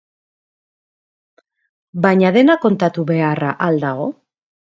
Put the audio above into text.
Baina dena kontatu beharra al dago?